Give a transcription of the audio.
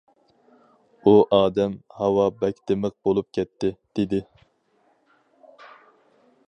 ئۇ ئادەم: «ھاۋا بەك دىمىق بولۇپ كەتتى» دېدى.